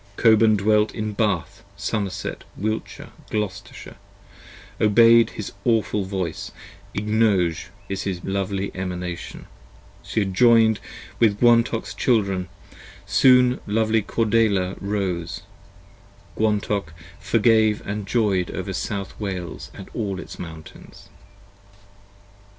Coban dwelt in Bath, Somerset, Wiltshire, Gloucestershire, Obey'd his awful voice: Ignoge is his lovely Emanation; She adjoin'd with Gwantoke's Children, soon lovely Cordelia arose, Gwantoke forgave & joy'd over South Wales & all its Mountains.